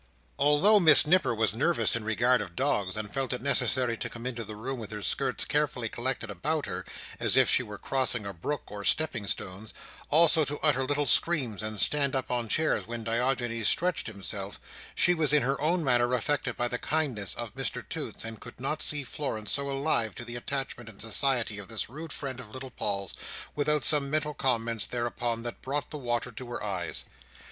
Although Miss Nipper was nervous in regard of dogs, and felt it necessary to come into the room with her skirts carefully collected about her, as if she were crossing a brook on stepping stones; also to utter little screams and stand up on chairs when Diogenes stretched himself, she was in her own manner affected by the kindness of Mr Toots, and could not see Florence so alive to the attachment and society of this rude friend of little Paul's, without some mental comments thereupon that brought the water to her eyes.